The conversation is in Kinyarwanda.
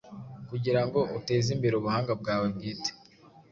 kugirango utezimbere ubuhanga bwawe bwite